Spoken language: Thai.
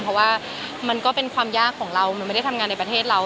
เพราะว่ามันก็เป็นความยากของเรามันไม่ได้ทำงานในประเทศเรา